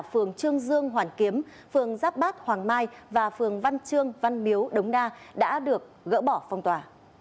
phường trương dương hoàn kiếm phường giáp bát hoàng mai và phường văn trương văn miếu đống đa đã được gỡ bỏ phong tỏa